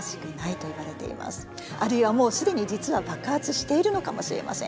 あるいはもう既に実は爆発しているのかもしれません。